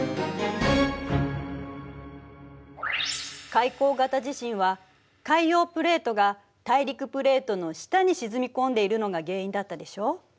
海溝型地震は海洋プレートが大陸プレートの下に沈み込んでいるのが原因だったでしょ。